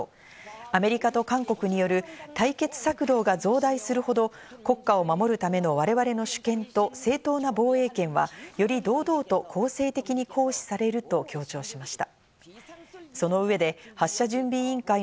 アメリカと韓国による対決策動が増大するほど国家を守るための、我々の主権と正当な防衛権はより堂々と攻勢的に行使されると強調しました。